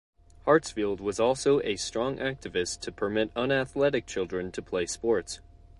Hartsfield was also a strong activist to permit unathletic children to play sports.